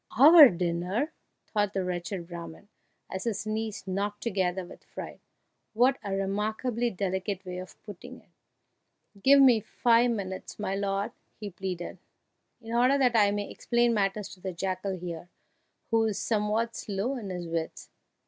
"Our dinner!" thought the wretched Brahman, as his knees knocked together with fright; "what a remarkably delicate way of putting it!" "Give me five minutes, my lord!" he pleaded, "in order that I may explain matters to the jackal here, who is somewhat slow in his wits."